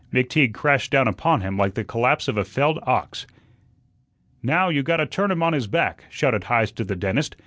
McTeague crashed down upon him like the collapse of a felled ox. "Now, you gotta turn him on his back," shouted Heise to the dentist.